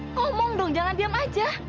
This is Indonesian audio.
ngomong dong jangan diam aja